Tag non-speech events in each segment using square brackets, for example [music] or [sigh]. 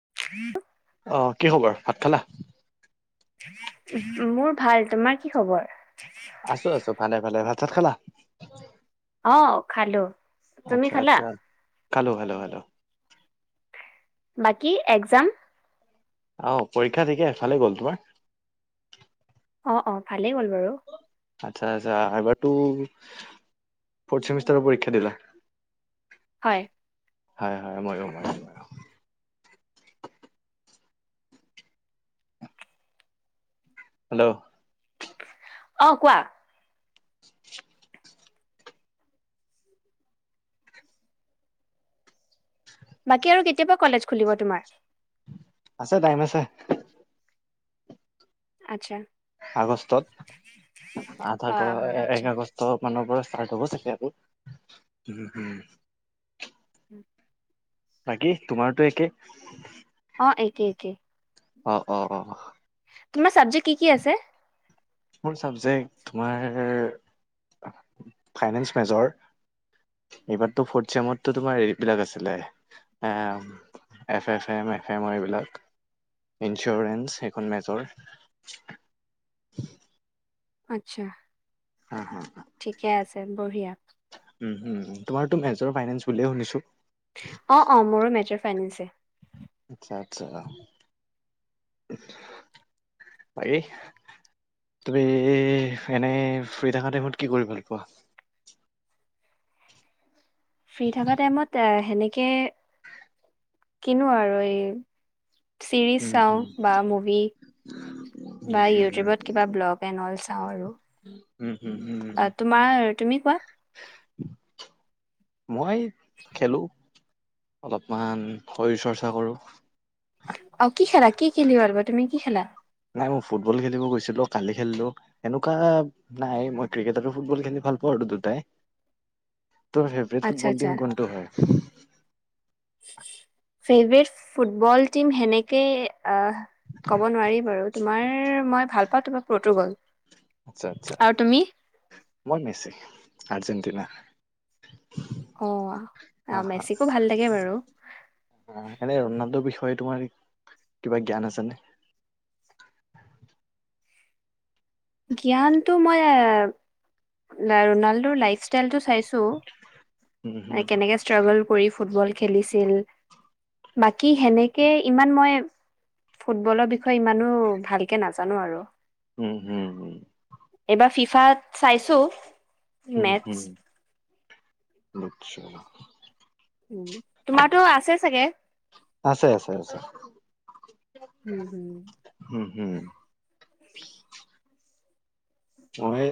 [unintelligible] আহ কি খবৰ, ভাত খালা? মোৰ ভাল, তোমাৰ কি খবৰ? আছো-আছো ভালে-ভালে ভাত চাত খালা? অ', খালো। তুমি খালা? আচ্ছা-আচ্ছা, খালো-খালো-খালো। বাকী একজাম? অ' পৰীক্ষা থিকে, ভালে গ'ল, তোমাৰ? অ'-অ', ভালেই হ'ল বাৰু। আচ্ছা-আচ্ছা এবাৰ তো ফ'ৰ্থ ছেমিষ্টাৰৰ পৰীক্ষা দিলা? হয়। হয়-হয়, মইও-মইও-মইও। হেল্ল'? অ, কোৱা? বাকী আৰু কেতিয়াবা কলেজ খুলিব তোমাৰ? আছে টাইম আছে। আচ্ছা। আগষ্টত। আঠ আগ হয়, হয়, এক আচ্ছা। আগষ্ট মানৰ পৰা ষ্টাত হব চাগে আৰু, হম-হম। উম। বাকী, তোমাৰতো একে? অ', একে-একে। অ'- অ'- অ'। তোমাৰ চাবজেক্ট কি-কি আছে? মোৰ ছাবজেক্ট তোমাৰ ফাইনেন্স মেজৰ। এইবাৰতো ফৰ্থ চমতো তোমাৰ এইবিলাক আছিলে। এ, এফ এ এম এফ এমৰ এইবিলাক। ইঞ্চুৰেঞ্চ সেইখন মেজৰ। আচ্ছা। হা- হা, ঠিকে আছে, বঢ়িয়া। উম'-উম', তোমাৰ ত মেজৰ ফাইনেন্ বুলিয়ে শুনিছো? অ'-অ', মোৰ মেজৰ ফাইনেন্স। আচ্ছা-আচ্ছা। তুমি এনেই ফ্ৰী থকা টাইমত কি কৰি ভাল পোৱা? ফ্ৰী থকা টাইমত সেনেকে কিনো আৰু এই চিৰিজ উম চাওঁ হুম বা মুভি। উম বা হুম হুম ইউটিউবত কিবা ব্লগ এনল চাওঁ আৰু। উম হুম হুম হুম হুম। [inaudible] তোমাৰ তুমি কোৱা? [inaudible] মই খেলো। অলপমান শৰীৰ চৰ্চা কৰোঁ। অহ, কি খেলা কি খেলি ভালপোৱা তুমি কি খেলা? নাই মই ফুটবল খেলিব গৈছিলো, কালি খেলিলো এনেকুৱা নাই মই ক্ৰিকেট আৰু ফুটবল খেলি ভাল পাওঁ দুটাই। তোৰ ফেভৰেট আচ্ছা ফুটবল আচ্ছা টিম কোনটো হয়? ফেভৰেট ফুটবল টিম সেনেকে আহ ক'ব নোৱাৰি বাৰু তোমাৰ মই ভাল পাওঁ তোমাৰ পৰ্তুগল। আচ্ছা -আচ্ছা, আৰু তুমি মই মেছি আৰ্জেণ্টিনা। অহ, হা আহ হা মেচিকো ভাল লাগে বাৰু এনে ৰুনাল্ডৰ বিষয় তোমাৰ কিবা জ্ঞান আছে নে? জ্ঞানতটো মই ৰুনাল্ডৰ লাইফষ্টাইলটো চাইছো, উম হুম কেনেকে ষ্ট্ৰাগল কৰি ফুটবল খেলিছিল। বাকী সেনেকে ইমান মই ফুটবলৰ বিষয়ে ইমানো ভালকে নাজানো আৰু। উম, হম উহ। ফিফাত চাইছো মেটছ। আচ্ছা। উম, তোমাৰতো আছে চাগে? আছে- আছে -আছে। উম, হম। উম মই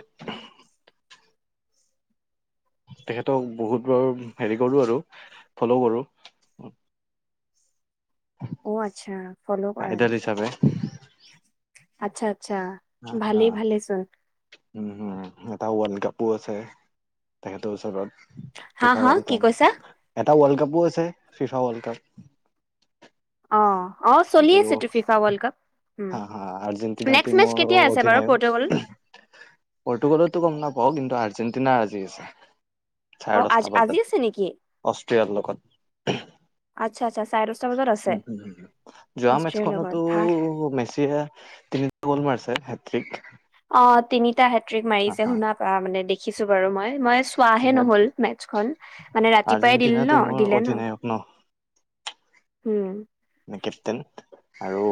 তেখেতক বহুত বাৰু হেৰি কৰোঁ আৰু ফল কৰোঁ। অহ, আচ্ছা ফল কৰা আইডল নেকি? হিচাপে আচ্ছা -আচ্ছা ভালেই- ভালে চোন। উম, হম এটা ৱৰ্ল্ড কাপো আছে তেখেতৰ ওচৰত। হা- ফিফা হা ৱৰ্ল্ড কি কাপ কৈছা? এটা ৱৰ্ল্ড কাপো আছে ফিফা ৱৰ্ল্ড কাপ। অহ - অহ চলি আছেটো ফিফা ৱৰ্ল্ড কাপ। উম হা-হা আৰ্জেন্টিনা নেক্সট মেচ টীমৰো কেতিয়া আছে বাৰু অধিনায়ক। পৰ্টুগল পৰ্টোগলৰটো গম নাপাও, কিন্তু আৰ্জেণ্টিনাৰ আজি আছে। অ চাৰে আজ দছটা আজি বজাত আছে নেকি অষ্ট্ৰিয়াৰ লগত। আচ্ছা আচ্ছা চাৰে দহটা বজাত আছে উম - উম যোৱা অষ্ট্ৰেলিয়াৰ লগত মেচখনতো ভাল মেচিয়ে তিনিটা গ'ল মাৰছে। ঠিক অহ, তিনিটা হেত্ৰিক মাৰিছে শুনা পা মানে দেখ খিছো বাৰু মই -মই চোৱাহে তেখেত নহল মেথছখন মানে ৰাতিপুৱাই দিল আৰ্জেণ্টিনা ন টিমৰ দিলে ন'। অধিনায়ক হম কেপটেইন আৰু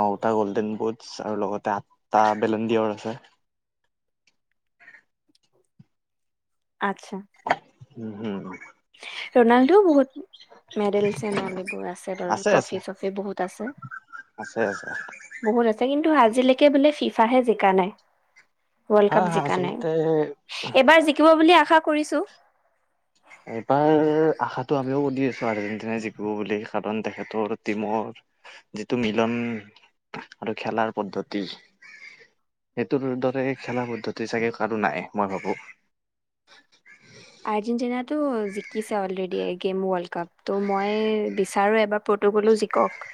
নটা গল্ডেন বুটছ আৰু লগতে আঠটা বেলণ্ড কিয়ৰ আছে আতচ্ছা। উম, হুম উম ৰনাল্ডোও বহুত মেডেলচ এনঅল এইবোৰ আছে বাৰু ট্ৰফি- চ্ৰফি বহুত আছে। আছে আছে বহুত আছে কিন্তু আজিলৈকে বোলে ফিফাহে জিকা নাই। ৱৰ্ল্ড হা কাপ হা জিকা নাই। আচলতে এইবাৰ জিকিব বুলি আশা কৰিছো। এইবাৰ আশাত টো আমিও অদি আছো আৰ্জেণ্টিনা জিকো বুলি। কাৰণ তেখেতৰ টিমৰ যিটো মিলন আৰু খেলাৰ পদ্ধতি সেইটোৰ দৰে খেলা পদ্ধতি চাগে কাৰো নাই মই ভাবো। আৰ্জেন্টিনা টো জিকিছে অলৰেদি এগেম ৱৰ্ল্ড কাপ, ত মই বিচাৰোঁ এইবাৰ পৰ্টুগলো জিকক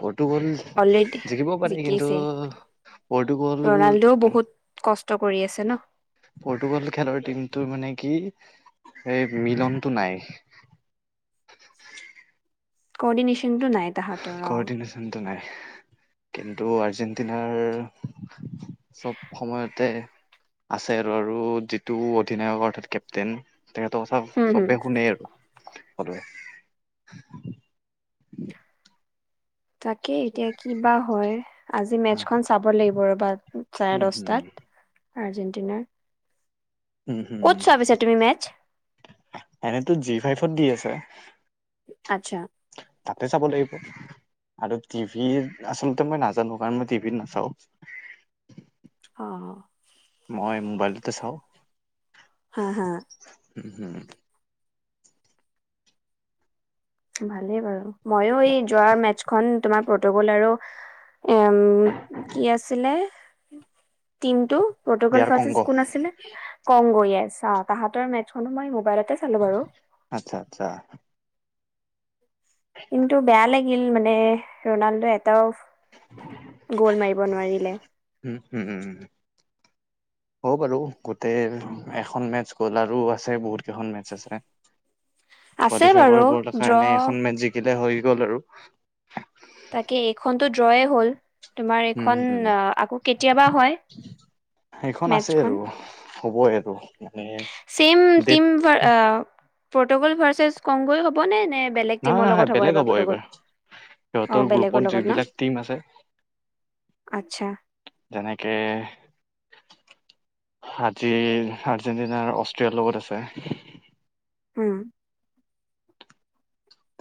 পৰ্টুগোল অলৰেডি জিকিবও পাৰি কিন্তু জিকিছে পৰ্তুগল ৰনাল্ডোও বহুত কষ্ট কৰি আছে ন পৰ্তুগোল খেলৰ টিমটো মানে কি এই মিলনটো নাই কৰ্ডিনেচনটো নাই তাহাঁতৰ অ কৰ্ডিনেশ্যনটো নাই কিন্তু আৰ্জেণ্টিনাৰ চব সময়তে আছে আৰু আৰু যিটো অধিনায়ক অৰ্থাৎ কেপ্টেইন তেখেতৰ কথা হম হম চবে শুনে আৰু সকলোৱে [inaudible] তাকে এতিয়া কিবা হয় আজি মেচখন চাব লাগিব ৰ'বা। উম উমহ আৰ্জেণ্টিনাৰ উম উম মেটচ এনেটো জি ফাইফত দি আছে। আচ্ছা তাতে চাব লাগিব আৰু টিভিত আচলতে মই নাজানো কাৰণ মই টিভিত নাচাওঁ অ মই মোবাইলতে চাওঁ হা হা উম হুম ভালেই বাৰু ময়ো এই যোৱাৰ মেতচখন তোমাৰ পৰ্টুগোল আৰু এম কি আছিলে টিমটো পৰ্টুগোল দিয়াৰ কংগ ভাৰ্চিছিচ কোন আছিলে কংগু ইয়েছ অ তাহাঁতৰ মেতচখনো মই মোবাইলতে চালো বাৰু। আচ্ছা আচ্ছা কিন্তু বেয়া লাগিল মানে ৰনাল্ডো এ এটাও গোল মাৰিব নোৱাৰিলে উম হম উম [inaudible] হ'ব বাৰু গোটেই এখন মেতচ গ'ল আৰু আছে বহুত কেইখন মেতচ আছে আছে কোৱালিফাই বাৰু কৰিবৰ ড্ৰ কাৰণে এখন মেতচ জিকিলে হৈ গ'ল আৰু তাকে এইখন টো ড্ৰয়ে হ'ল তোমাৰ উম, এইখন উম, আকৌ কেতিয়াবা হয় মেতচ খন হ'ব সেইটো চেম টিম আ পৰ্টুগোল ভাৰ্চেছ কংগুৱে হ'ব নে নে বেলেগ নহয় টিমৰ নহয় লগত হ'ব বেলেগ এইবাৰ পৰ্টুগোল সিহঁতৰ গ্ৰুপত যিবিলাক টিম আছে। আচ্ছা যেনেকে আজি আৰ্জেণ্টিনাৰ অষ্ট্ৰিয়াৰ লগত আছে। হোম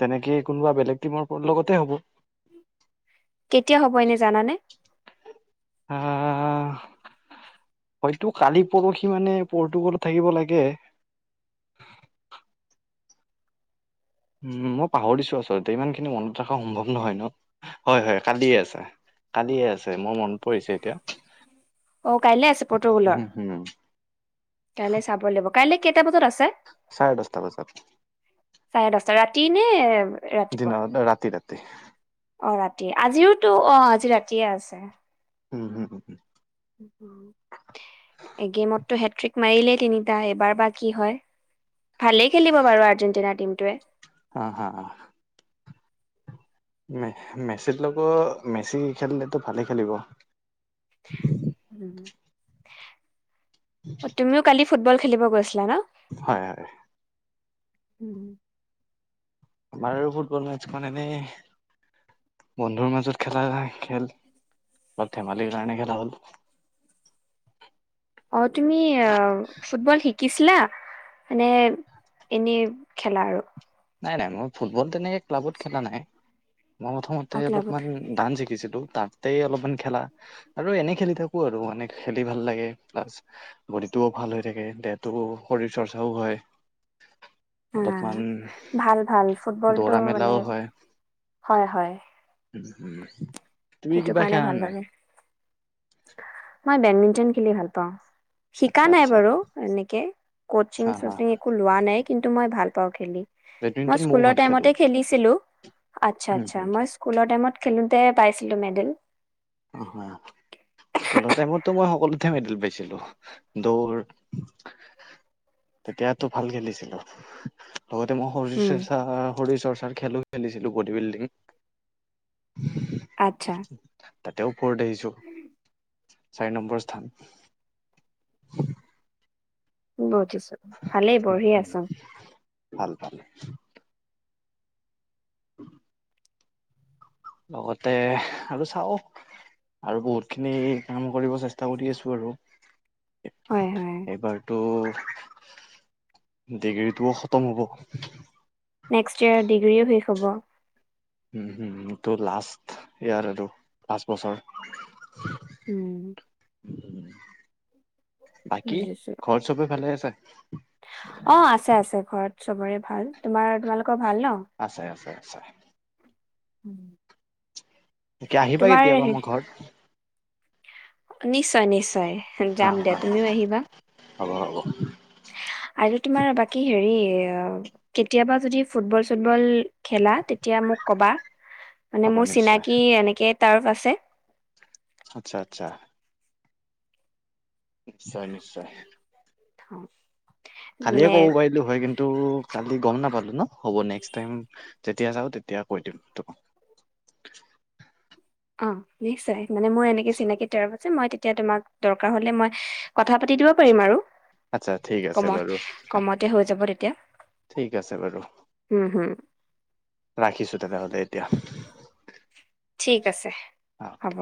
তেনেকেই কোনোবা বেলেগ টিমৰ লগতে হ'ব কেতিয়া হ'ব এনে জানানে? আহ হয়তো কালি পৰহি মানে পৰ্টুগোল থাকিব লাগে। [unintelligible] উম মই পাহৰিছো আচলতে ইমান খিনি মনত ৰখা সম্ভৱ নহয় ন হয় হয় কালিয়ে আছে। কালিয়ে আছে মোৰ মনত পৰিছে এতিয়া। অ কাইলে আছে পৰটোকলৰ, উম, উম, কাইলে চাব লাগিব কাইলৈ কেতিয়া? চাৰে দচটা বজাত। চাৰে দচটা ৰাতি নে ৰাতিপুৱা দিনৰ ৰাতি ৰাতি। অ ৰাতি আজিওতো অ আজি ৰাতিয়ে আছে। উম হুম উম উম। উম এগেমততো হেট্ৰিক মাৰিলেই তিনিটা এইবাৰ বা কি হয়। ভালেই খেলিব বাৰু আৰ্জেণ্টিনাৰ টিমটোৱে। হা হা হা মেচিত লগো মেচি খেলিলেতটো ভালে খেলিব। তুমিও কালি ফুটবল খেলিব গৈছিলা ন? হয় হয়। উম আমাৰ ফুটবল মেতচখন এনেই বন্ধুৰ মাজত খেলা খেল অলপ ধেমালিৰ কাৰণে খেলা হ'ল উ [unintelligible] অ তুমি ফুটবল শিকিছিলা? মানে এনেই খেলা আৰু। নাই নাই মই ফুটবল তেনেকে ক্লাবত খেলা নাই। মই প্ৰথমতে অ ক্লাবত অলপমান ডান্চ শিকিছিলো। তাতেই অলপমান খেলা আৰু এনেই খেলি থাকো আৰু মনে খেলি ভাল লাগে প্লাছ বডিত টোও ভাল হৈ থাকে দেহটো শৰীৰ চৰ্চাও হয় অ অলপমান ভাল ভাল ফুটবলটো দৌৰা মানে মেলাও হয় হয় হয়। তুমি সেইটো কিবা কাৰণে খেলা ভাল নাই? লাগে মই বেডমিণ্টন খেলি ভাল পাওঁ। শিকা আচ্ছা নাই আচ্ছা বাৰু, এনেকে কচিং হা হা চচিং একো লোৱা নাই কিন্তু মই ভাল পাওঁ খেলি। মই বেডমিন্টন ময়ো স্কুলৰ ভাল খেলো টাইমতে খেলিছিলোঁ, আচ্ছা উম, আচ্ছা উম, মই স্কুলৰ টাইমত খেলোতে পাইছিলো মেডেল। অ হয় স্কুলৰ টাইমতো মই সকলোতে মেডেল পাইছিলো। দৌৰ তেতিয়াতো ভাল খেলিছিলো। লগতে মই শৰীৰ উম চৰ্চা শৰীৰ চৰ্চাৰ খেলো খেলিছিলোঁ বডি বিল্ডিং। আচ্ছা তাতেও ফৰ্ড আহিছো। চাৰি নম্বৰ স্থান। বঠিছো ভালেই বঢ়ি আছো। ভাল ভাল। উ লগতে আৰু চাওঁ। আৰু বহুত খিনি কাম কৰিব চেষ্টা কৰি আছো আৰু। হয় হয় এইবাৰতো ডিগ্ৰীটোও খতম হ'ব। নেক্সট ইয়াৰ ডিগ্ৰীও শেষ হ'ব। উম হম টো লাষ্ট ইয়াৰ আৰু পাঁচ বছৰ। উম বাকী বুজিছো। ঘৰত চবে ভালে আছে অ আছে আছে ঘৰত চবৰে ভাল। তোমাৰ তোমালোকৰ ভাল ন? [unintelligible] উম তাকে আহিবা কেতিয়াবা মোৰ ঘৰত। নিশ্চয় নিশ্চয়। হা হা হ'ব হ'ব আজি তোমাৰ বাকী হেৰি কেতিয়াবা যদি ফুটবল চুটবল খেলা তেতিয়া মোক মোক কবা, মানে হ'ব মোৰ নিশ্চয় চিনাকি এনেকে তাত আছে। আচ্ছা আচ্ছা। নিশ্চয় নিশ্চয়। [inaudible] কালিয়ে মানে ক'ব পাৰিলোঁ হয় কিন্তু গম নাপালো ন হ'ব নেক্সট টাইম যেতিয়া যাওঁ তেতিয়া কৈ দিম তোমাক। [inaudible] অ নিশ্চয় মানে মই এনেকে চিনাকি তাৰ‌ মই তেতিয়া তোমাক দৰকাৰ হলে মই আচ্ছা ঠিক আছে কমত বাৰু। কমতে হৈ যাব তেতিয়া ঠিক আছে বাৰু। উম হম ৰাখিছো তেনেহলে এতিয়া। ঠিক আছে অ হ'ব।